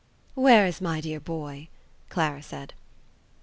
"Where is my dear boy?" Clara said.